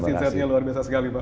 atas insetnya luar biasa sekali pak